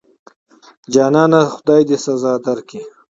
جانانه خدای دې سزا درکړي.